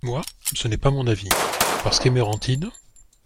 Moi, ce n’est pas mon avis… parce que Emerantine…